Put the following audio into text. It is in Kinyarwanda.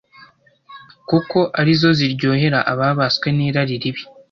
kuko ari zo ziryohera ababaswe n’irari ribi.